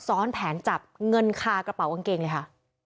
ซ้อนแผนจับเงินคากระเป๋ากางเกงเลยค่ะ